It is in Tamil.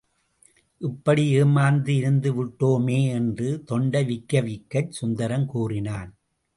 இப்படி ஏமாந்து இருந்துவிட்டோமே! என்று தொண்டை விக்க விக்கச் சுந்தரம் கூறினான்.